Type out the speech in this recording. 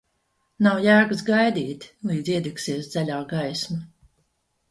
Nav jēgas gaidīt, līdz iedegsies zaļā gaisma.